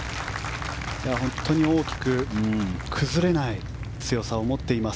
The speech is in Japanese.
本当に大きく崩れない強さを持っています。